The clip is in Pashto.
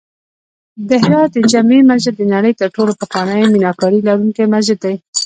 د هرات د جمعې مسجد د نړۍ تر ټولو پخوانی میناکاري لرونکی مسجد دی